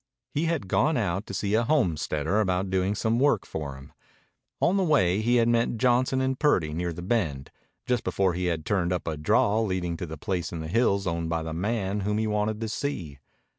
He had gone out to see a homesteader about doing some work for him. On the way he had met Johnson and Purdy near the Bend, just before he had turned up a draw leading to the place in the hills owned by the man whom he wanted to see.